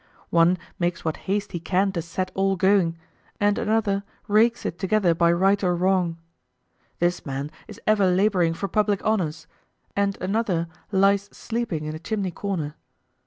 One makes what haste he can to set all going, and another rakes it together by right or wrong. This man is ever laboring for public honors, and another lies sleeping in a chimney corner.